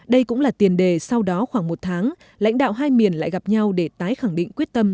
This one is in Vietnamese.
đây cũng là tiền đề sau đó khoảng một tháng lãnh đạo hai miền lại gặp nhau để tái khẳng định quyết tâm